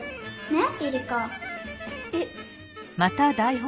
えっ？